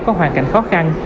có hoàn cảnh khó khăn